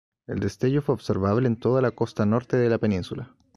El destello fue observable en toda la costa norte de la península.